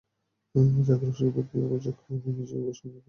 জাকির হোসেনের বিরুদ্ধে অভিযোগ, তিনি নিজের বয়স কমিয়ে দ্বিতীয়বার ভোটার হন।